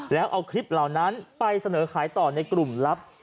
แล้วเอาคลิปเหล่านั้นไปเสนอขายต่อในกลุ่มลับ